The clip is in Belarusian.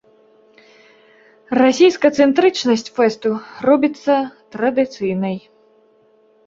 Расійскацэнтрычнасць фэсту робіцца традыцыйнай.